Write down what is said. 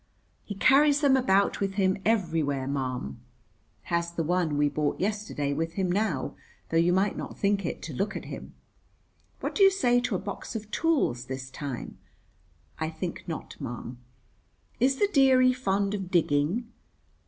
"He carries them about with him everywhere, ma'am." (Has the one we bought yesterday with him now, though you might not think it to look at him.) "What do you say to a box of tools this time?" "I think not, ma'am." "Is the deary fond of digging?"